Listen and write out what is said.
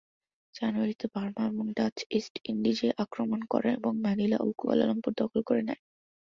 জানুয়ারিতে বার্মা এবং Dutch East ইন্ডিজে আক্রমণ করে এবং ম্যানিলা ও কুয়ালালামপুর দখল করে নেয়।